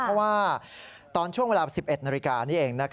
เพราะว่าตอนช่วงเวลา๑๑นาฬิกานี้เอง